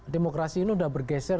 demokrasi ini sudah bergeser